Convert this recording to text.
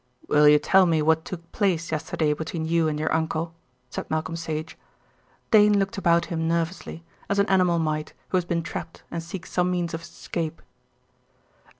"Will you tell me what took place yesterday between you and your uncle?" said Malcolm Sage. Dane looked about him nervously, as an animal might who has been trapped and seeks some means of escape.